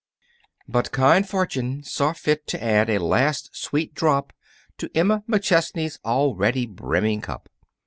But kind fortune saw fit to add a last sweet drop to Emma McChesney's already brimming cup.